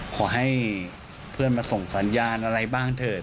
ขอให้เพื่อนมาส่งสัญญาณอะไรบ้างเถอะ